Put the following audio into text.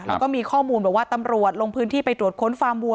แล้วก็มีข้อมูลบอกว่าตำรวจลงพื้นที่ไปตรวจค้นฟาร์มวัว